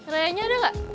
rayanya ada gak